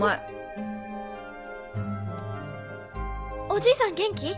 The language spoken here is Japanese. おじいさん元気？